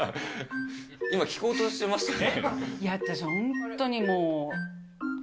今聞こうとしてましたよね。